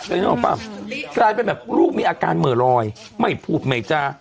นึกออกป่ะกลายเป็นแบบลูกมีอาการเหมือลอยไม่พูดไม่จา